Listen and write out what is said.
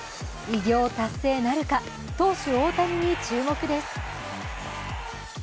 偉業達成なるか投手・大谷に注目です。